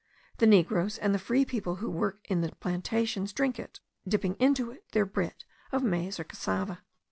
The negroes and the free people who work in the plantations drink it, dipping into it their bread of maize or cassava.